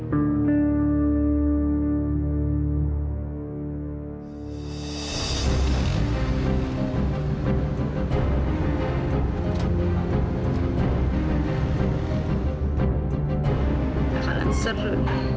tak akan seru